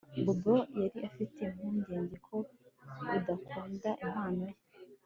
Bobo yari afite impungenge ko udakunda impano ye